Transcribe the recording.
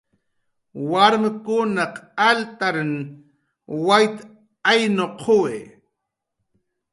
Warmkunaq altarin wayt asnuquwi